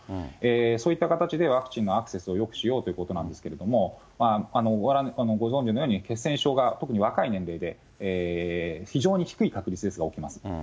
そういった形でワクチンのアクセスをよくしようということなんですけれども、ご存じのように、血栓症が特に若い年齢で、非常に低い確率ですが起きます。